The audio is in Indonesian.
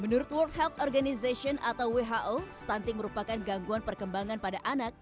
menurut world health organization atau who stunting merupakan gangguan perkembangan pada anak